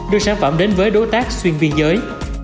đưa sản phẩm đến với đối tác xuyên biên giới